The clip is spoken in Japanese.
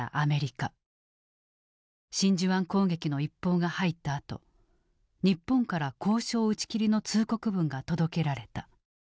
真珠湾攻撃の一報が入ったあと日本から交渉打ち切りの通告文が届けられた。